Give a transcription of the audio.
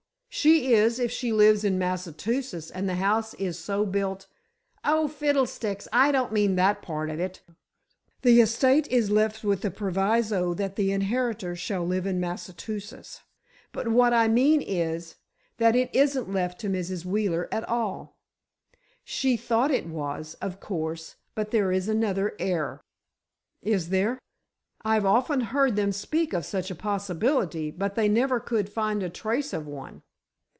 "She is, if she lives in Massachusetts, and the house is so built——" "Oh, fiddlesticks! I don't mean that part of it. The estate is left with the proviso that the inheritor shall live in Massachusetts—but, what I mean is, that it isn't left to Mrs. Wheeler at all. She thought it was, of course—but there is another heir." "Is there? I've often heard them speak of such a possibility but they never could find a trace of one."